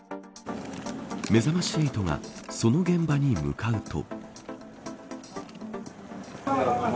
めざまし８がその現場に向かうと。